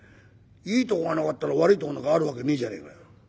いいとこがなかったら悪いとこなんかある訳ねえじゃねえかよ」。